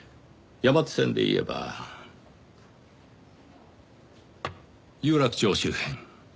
山手線で言えば有楽町周辺。